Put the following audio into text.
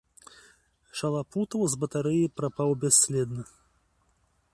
Шалапутаў з батарэі прапаў бясследна.